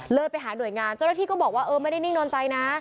ไปหาหน่วยงานเจ้าหน้าที่ก็บอกว่าเออไม่ได้นิ่งนอนใจนะ